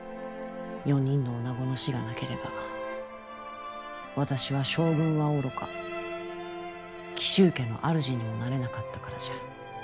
４人のおなごの死がなければ私は将軍はおろか紀州家の主にもなれなかったからじゃ。